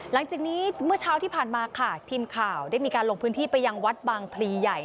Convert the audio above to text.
หลังจากนี้เมื่อเช้าที่ผ่านมาค่ะทีมข่าวได้มีการลงพื้นที่ไปยังวัดบางพลีใหญ่